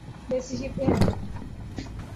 ویسی ہی ہیں۔